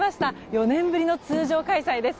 ４年ぶりの通常開催です。